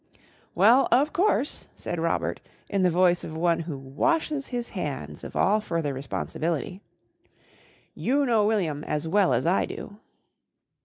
"Well, of course," said Robert in the voice of one who washes his hands of all further responsibility, "you know William as well as I do."